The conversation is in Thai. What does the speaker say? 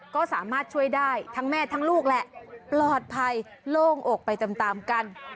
ก็สามารถช่วยได้ทั้งแม่ทั้งลูกแหละปลอดภัยโล่งอกไปตามกัน